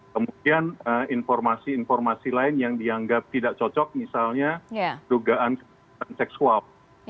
kemudian informasi informasi lain yang dianggap tidak cocok misalnya dugaan kekerasan seksual